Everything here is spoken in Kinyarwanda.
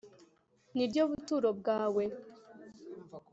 ni ryo buturo bwawe,